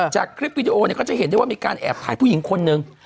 จากคลิปวิดีโอเนี่ยก็จะเห็นได้ว่ามีการแอบถ่ายผู้หญิงคนหนึ่ง